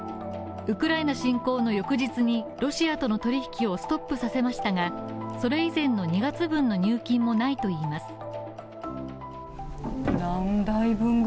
ウクライナ侵攻の翌日にロシアとの取引をストップさせましたが、それ以前の２月分の入金もないといいます。